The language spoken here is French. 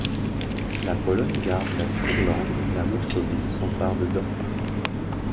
La Pologne garde la Courlande, la Moscovie s'empare de Dorpat.